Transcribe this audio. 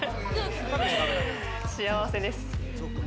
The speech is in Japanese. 幸せです。